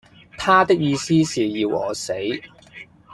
他的意思是要我死。